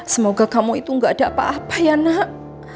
semoga kamu itu gak ada apa apa ya nak